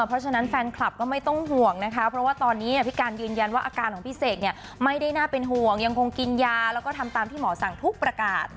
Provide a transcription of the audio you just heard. เพราะฉะนั้นแฟนคลับก็ไม่ต้องห่วงนะคะเพราะว่าตอนนี้พี่การยืนยันว่าอาการของพี่เสกเนี่ยไม่ได้น่าเป็นห่วงยังคงกินยาแล้วก็ทำตามที่หมอสั่งทุกประกาศ